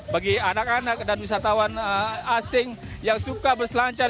bagi anak anak dan wisatawan asing yang suka berselancar